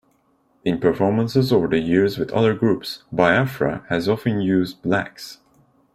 In performances over the years with other groups, Biafra has often used "blacks".